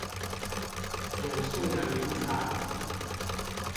遠處的雲彩